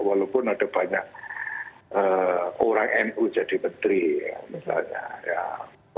walaupun ada banyak orang nu jadi menteri ya misalnya